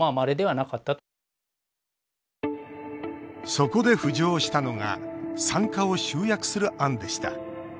そこで浮上したのが産科を集約する案でした。